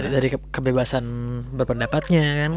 dari kebebasan berpendapatnya kan